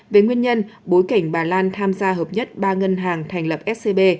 về nguyên nhân bối cảnh bà lan tham gia hợp nhất ba ngân hàng thành lập scb